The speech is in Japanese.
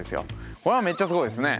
これはめっちゃすごいですね。